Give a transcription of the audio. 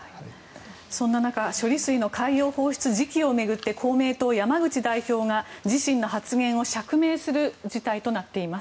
そんな中処理水の海洋放出時期を巡って公明党、山口代表が自身の発言を釈明する事態となっています。